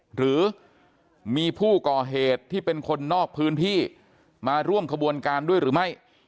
หรือมีผู้ก่อเหตุที่เป็นคนนอกพื้นที่มาร่วมขบวนการด้วยหรือไม่